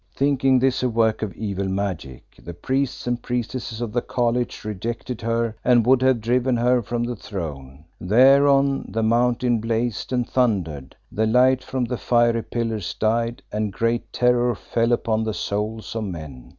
"Thinking this a work of evil magic, the Priests and Priestesses of the College rejected her, and would have driven her from the throne. Thereon the Mountain blazed and thundered, the light from the fiery pillars died, and great terror fell upon the souls of men.